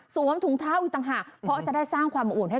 สวมถุงเท้าอยู่ต่างหากเพราะจะได้สร้างความอวดให้